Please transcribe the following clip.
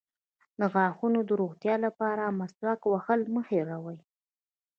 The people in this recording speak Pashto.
د غاښونو د روغتیا لپاره مسواک وهل مه هیروئ